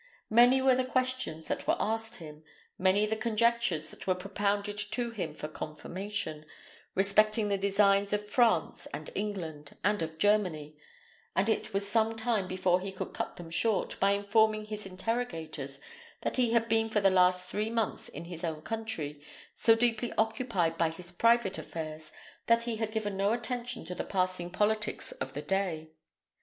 Many were the questions that were asked him; many the conjectures that were propounded to him for confirmation, respecting the designs of France and England, and of Germany; and it was some time before he could cut them short, by informing his interrogators that he had been for the last three months in his own country, so deeply occupied by his private affairs that he had given no attention to the passing politics of the day.